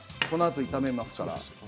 このあと炒めますから。